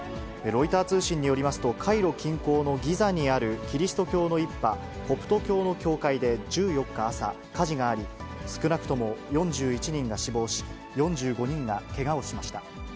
ロイター通信によりますと、カイロ近郊のギザにあるキリスト教の一派、コプト教の教会で１４日朝、火事があり、少なくとも４１人が死亡し、４５人がけがをしました。